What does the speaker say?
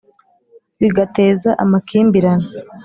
bigateza amakimbirane